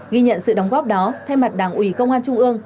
ghi nhận sự đóng góp đó thay mặt đảng ủy công an trung ương